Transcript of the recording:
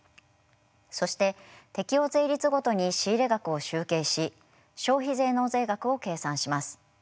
そして適用税率ごとに仕入れ額を集計し消費税納税額を計算します。